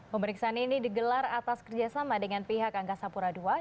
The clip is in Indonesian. pemeriksaan ini digelar atas kerjasama dengan pihak angkasa pura ii